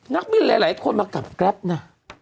นักบินหลายคนมากลับแกรปนะ